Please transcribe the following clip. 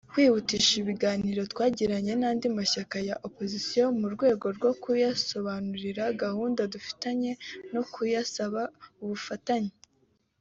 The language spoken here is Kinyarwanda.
Kwihutisha ibiganiro twatangiye n’andi mashyaka ya Opozisiyo mu rwego rwo kuyasobanurira gahunda dufite no kuyasaba ubufatanye